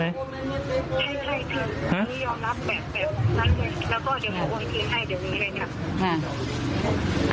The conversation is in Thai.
ใช่ใช่ค่ะนี่ยอมรับแบบแบบแล้วก็เดี๋ยวขอโรงพยาบาลให้เดี๋ยวมีให้ครับ